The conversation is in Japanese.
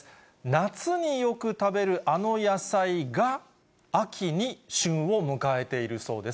夏によく食べるあの野菜が、秋に旬を迎えているそうです。